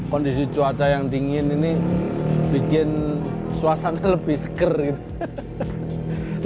kondisi cuaca yang dingin ini bikin suasana lebih seger gitu